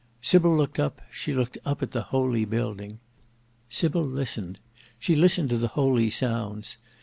Sybil looked up: she looked up at the holy building. Sybil listened: she listened to the holy sounds.